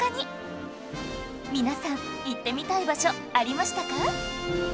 皆さん行ってみたい場所ありましたか？